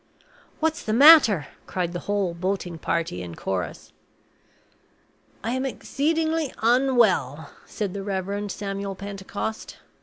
"What's the matter?" cried the whole boating party in chorus. "I am exceedingly unwell," said the Reverend Samuel Pentecost.